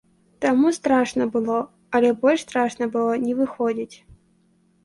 Таму страшна было, але больш страшна было не выходзіць.